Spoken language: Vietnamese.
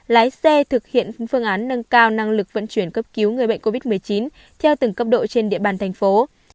lái xe thực hiện phương án nâng cao năng lực vận chuyển cấp cứu người bệnh covid một mươi chín theo từng cấp độ trên địa bàn thành phố